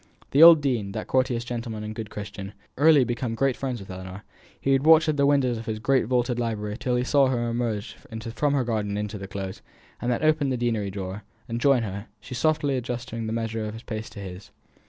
The old dean, that courteous gentleman and good Christian, had early become great friends with Ellinor. He would watch at the windows of his great vaulted library till he saw her emerge from the garden into the Close, and then open the deanery door, and join her, she softly adjusting the measure of her pace to his.